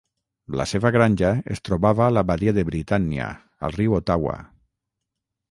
La seva granja es trobava a la badia de Britannia, al riu Ottawa.